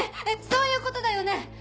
そういうことだよね！